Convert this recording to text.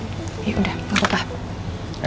ya udah nggak apa apa